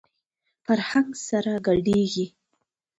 فرهنګ سره ګډېږي.